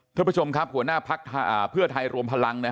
ท่านผู้ชมครับหัวหน้าภักดิ์เพื่อไทยรวมพลัง